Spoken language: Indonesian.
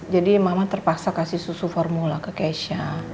jadi mama terpaksa kasih susu formula ke keisha